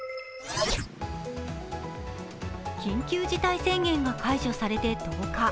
緊急事態宣言が解除されて１０日。